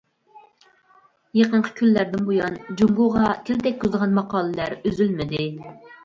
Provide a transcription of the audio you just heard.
يېقىنقى كۈنلەردىن بۇيان، جۇڭگوغا تىل تەگكۈزىدىغان ماقالىلەر ئۈزۈلمىدى.